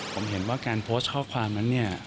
ผมเห็นว่าการโพสต์ข้อความนั้นเนี่ย